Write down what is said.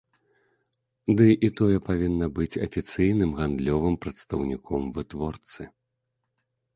Ды і тое павінна быць афіцыйным гандлёвым прадстаўніком вытворцы.